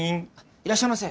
いらっしゃませ。